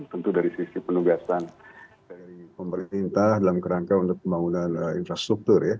tentu dari sisi penugasan dari pemerintah dalam kerangka untuk pembangunan infrastruktur ya